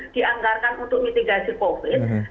dianggarkan untuk mitigasi covid